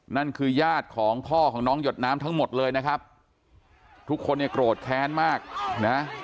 นั่นคือญาติของพ่อของน้องหยดน้ำทั้งหมดเลยนะครับทุกคนเนี่ยโกรธแค้นมากนะ